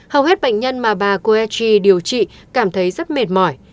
hầu hết bệnh nhân mà bà koregy điều trị cảm thấy rất mệt mỏi